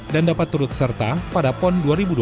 dan dapat turut serta pada pon dua ribu dua puluh empat